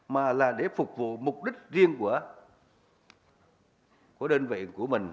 mà là để phục vụ mục đích riêng của đơn vị của mình